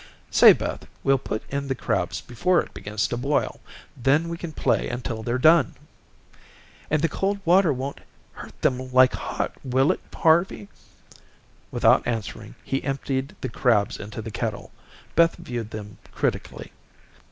"Say, Beth, we'll put in the crabs before it begins to boil. Then we can play until they're done." "And the cold water won't hurt them like hot, will it, Harvey?" Without answering, he emptied the crabs into the kettle. Beth viewed them critically.